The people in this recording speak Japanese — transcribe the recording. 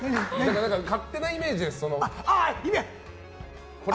勝手なイメージですよ。